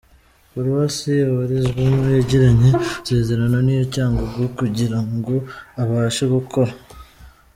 Paruwasi abarizwamo yagiranye amasezerano n’iya Cyangugu kugirango abashe gukora.